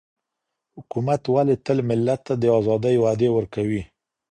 حکومت ولي تل ملت ته د آزادۍ وعدې ورکوي؟